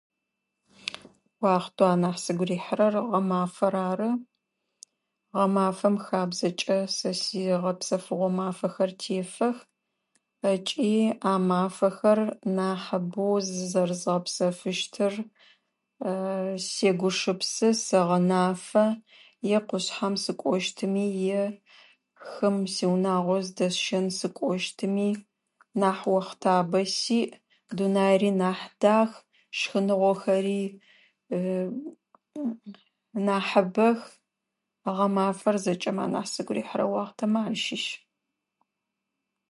Уахътэу анахь сыгу рихьырэр гъэмафэр ары. Гъэмафэм хабзэкӏэ сэ сигъэпсэфыгъо мафэхэр тефэх, ыкӏи а мафэхэр нахь боу зырэзгъэпсэфыщтыр сегупшысэ, сэгъэнафэ. Е къушъхьэм сыкӏощтыми, е хым сиунагъо зыдэсщэн сыкӏощтыми. Нахь уахътабэ сиӏ, дунаери нахь дах, шхыныгъохэри нахьыбэх. Гъэмафэр зэкӏэми анахь сыгу рихьырэ уахътэхэм ащыщ.